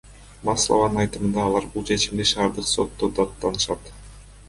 Маслованын айтымында, алар бул чечимди шаардык сотто даттанышат.